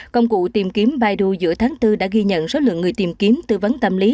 công cụ tìm kiếm biden giữa tháng bốn đã ghi nhận số lượng người tìm kiếm tư vấn tâm lý